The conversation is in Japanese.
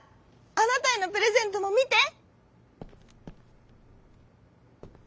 あなたへのプレゼントもみて！」。